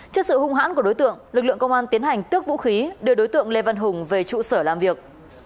trước sự hung hãn của đối tượng lực lượng công an tiến hành tước vũ khí đưa đối tượng lê văn hùng về trụ sở làm việc